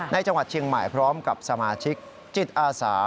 จังหวัดเชียงใหม่พร้อมกับสมาชิกจิตอาสา